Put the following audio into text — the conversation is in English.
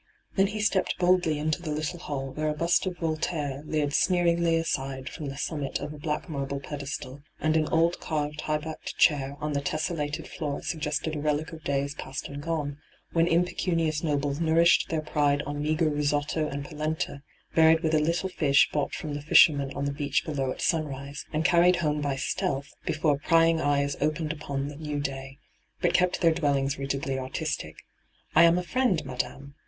Then he stepped boldly into the little hall, where a bust of Voltaire leered sneeringly aside from the summit of a black marble pedestal, and an old carved high backed chair on the tessellated floor suggested a relic of days past and gone, when impecunious nobles nourished their pride on meagre risotto and polenta, varied with a Uttle fish bought from the fishermen on the beach below at sunrise, and carried home by stealth before prying eyes opened upon the hyGoo>^lc ENTRAPPED 219 new day, but kept their dwellings rigidly artistic. ' I am a friend, madame